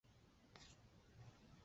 古代文人墨客纷纷前来瞻仰。